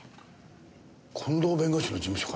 近藤弁護士の事務所から？